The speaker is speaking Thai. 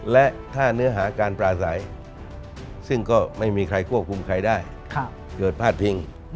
และถ้าเนื้อหาการปลาใสซึ่งก็ไม่มีใครควบคุมใครได้เกิดพาดพิง